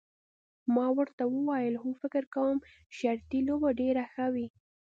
ما ورته وویل هو فکر کوم شرطي لوبه به ډېره ښه وي.